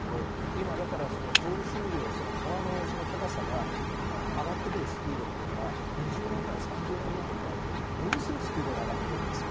今、増水量、川の高さが上がってくるスピードが２０年前、３０年前に比べてものすごいスピードで上がってくるんですよ。